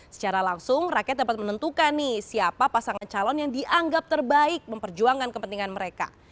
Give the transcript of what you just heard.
secara langsung rakyat dapat menentukan nih siapa pasangan calon yang dianggap terbaik memperjuangkan kepentingan mereka